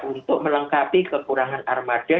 untuk melengkapi kekurangan armada